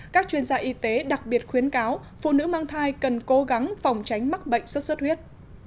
các chuyên gia y tế đặc biệt khuyến cáo phụ nữ mang thai cần cố gắng phòng tránh mắc bệnh sốt xuất huyết